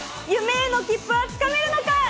夢への切符はつかめるのか？